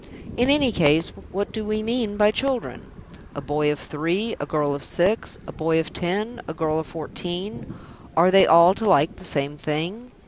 In any case what do we mean by "children"? A boy of three, a girl of six, a boy of ten, a girl of fourteen are they all to like the same thing?